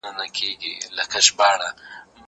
زه پرون چايي وڅښلې!؟